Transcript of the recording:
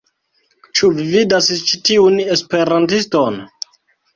Ĉu vi vidas ĉi tiun esperantiston?